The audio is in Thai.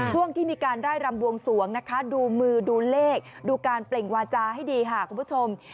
ช่วงที่มีการไล่รำบวงสวงนะคะดูมือดูเลขดูการเปล่งวาจาให้ดีค่ะคุณผู้ชม